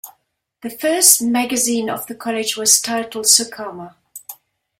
The first magazine of the college was titled "Sukarma".